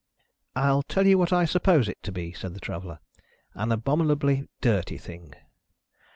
"I'll tell you what I suppose it to be," said the Traveller. "An abominably dirty thing."